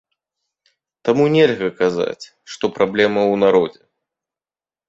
Таму нельга казаць, што праблема ў народзе.